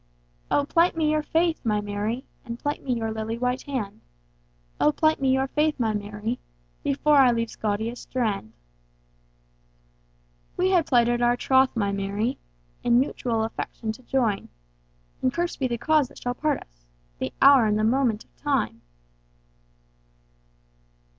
O plight me your faith, my Mary, And plight me your lily white hand;O plight me your faith, my Mary, Before I leave Scotia's strand. We hae plighted our troth, my Mary, In mutual affection to join; And curst be the cause that shall part us! The hour and the moment o' time!